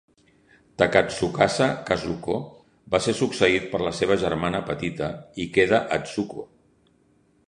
Takatsukasa Kazuko va ser succeït per la seva germana petita Ikeda Atsuko.